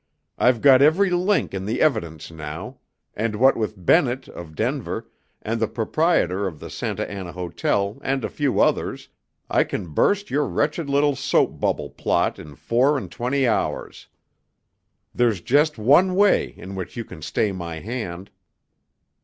I've got every link in the evidence now, and what with Bennett, of Denver, and the proprietor of the Santa Anna Hotel, and a few others, I can burst your wretched little soap bubble plot in four and twenty hours. There's just one way in which you can stay my hand."